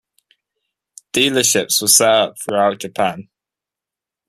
Dealerships were set up throughout Japan.